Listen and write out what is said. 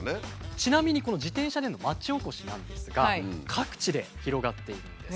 ちなみにこの自転車での町おこしなんですが各地で広がっているんです。